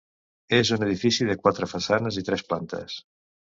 És un edifici de quatre façanes i tres plantes.